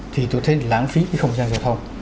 thì tôi thấy lãng phí cái không gian giao thông